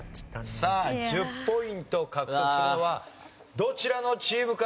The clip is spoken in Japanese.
さあ１０ポイント獲得するのはどちらのチームか？